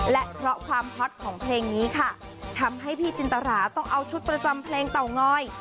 และเพราะความฮอตของเพลงนี้ค่ะทำให้พี่จินตราต้องเอาชุดประจำเพลงเตางอย